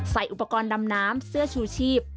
ใส่อุปกรณ์ดำน้ำเสื้อชูชีพ